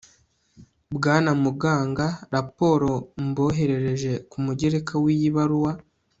bwana muganga, raporo mboherereje ku mugereka w'iyi baruwa